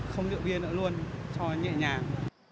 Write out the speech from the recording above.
không rượu bia nữa luôn cho nhẹ nhàng